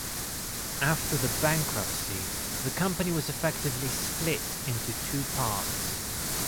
After the bankruptcy, the company was effectively split into two parts.